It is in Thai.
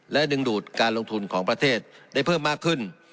และดึงดูดการลงทุนของประเทศได้เพิ่มมากขึ้น